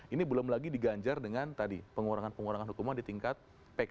ini belum lagi diganjar dengan tadi pengurangan pengurangan hukuman di tingkat pk